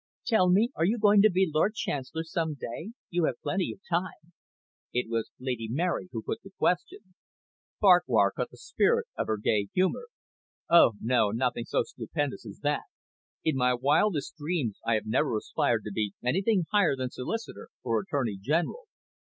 "Tell me, are you going to be Lord Chancellor some day? You have plenty of time." It was Lady Mary who put the question. Farquhar caught the spirit of her gay humour. "Oh, no, nothing so stupendous as that. In my wildest dreams, I have never aspired to be anything higher than Solicitor or Attorney General.